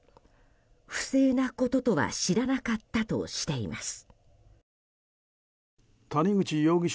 不正なこととは知らなかったとしています。